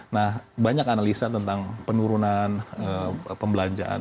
nah banyak analisa tentang penurunan pembelanjaan